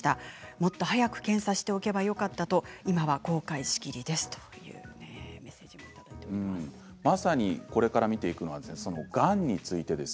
もっと早く検査をしておけばよかったと今は後悔しきりですというメッセージもまさにこれから見ていくのががんについてです。